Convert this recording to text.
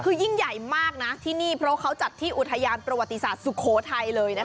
คือยิ่งใหญ่มากนะที่นี่เพราะเขาจัดที่อุทยานประวัติศาสตร์สุโขทัยเลยนะคะ